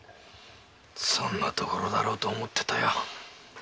そんなところだろうと思ってたよ。